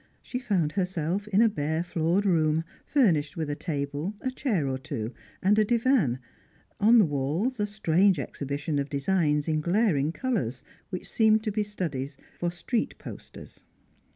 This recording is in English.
She found herself in a bare floored room, furnished with a table, a chair or two, and a divan, on the walls a strange exhibition of designs in glaring colours which seemed to be studies for street posters.